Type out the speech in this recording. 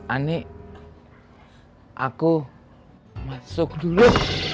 ani aku masuk dulu